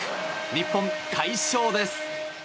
日本、快勝です。